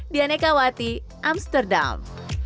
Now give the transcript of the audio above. dian eka wati amsterdam